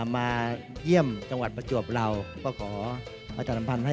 แม่โทษหลาย